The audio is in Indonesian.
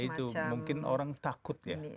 itu mungkin orang takut ya